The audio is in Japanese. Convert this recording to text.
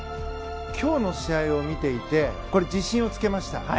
今日の試合を見ていてこれ、自信をつけました。